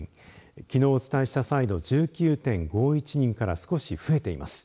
きのう、お伝えした際の１９．５１人から少し増えています。